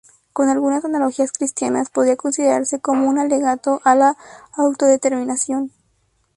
Con algunas analogías cristianas, podría considerarse como un alegato a la autodeterminación.